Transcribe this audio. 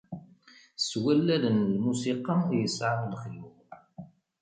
S wallalen n lmusiqa yesɛan lexyuḍ.